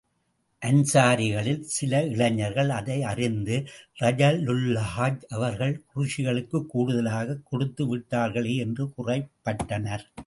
அன்ஸாரிகளில் சில இளைஞர்கள் அதை அறிந்து, ரஸூலுல்லாஹ் அவர்கள் குறைஷிகளுக்குக் கூடுதலாகக் கொடுத்து விட்டார்களே என்று குறைப்பட்டனர்.